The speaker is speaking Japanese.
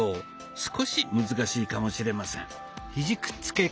少し難しいかもしれません。